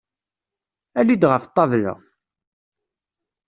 Ali-d ɣef ṭṭabla!